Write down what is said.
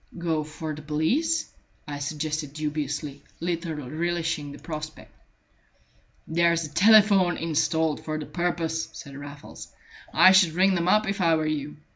"Go for the police," I suggested dubiously, little relishing the prospect. "There's a telephone installed for the purpose," said Raffles. "I should ring them up, if I were you.